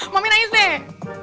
mami nangis deh